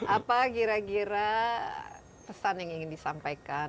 apa kira kira pesan yang ingin disampaikan